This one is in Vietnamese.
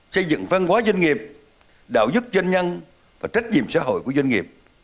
xây dựng văn hóa doanh nghiệp đạo dứt doanh nhân và trách nhiệm xã hội của doanh nghiệp